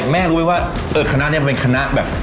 แม่รู้ไหมว่าเออคณะเนี้ยมันเป็นคณะแบบ